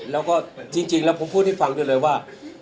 แล้วก็จริงแล้วผมพูดให้ฟังได้เลยว่า